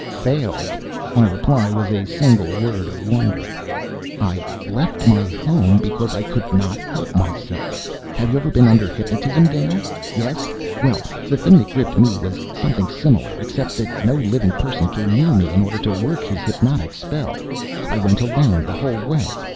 "Failed?" My reply was a single word of wonder. "I left my home: because I could not help myself. Have you ever been under hypnotism, Dale? Yes? Well, the thing that gripped me was something similar except that no living person came near me in order to work his hypnotic spell. I went alone, the whole way.